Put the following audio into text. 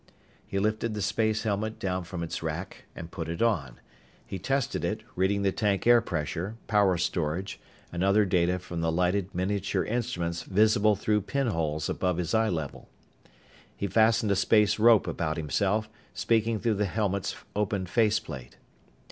He lifted the space helmet down from its rack and put it on. He tested it, reading the tank air pressure, power storage, and other data from the lighted miniature instruments visible through pinholes above his eye level. He fastened a space rope about himself, speaking through the helmet's opened faceplate.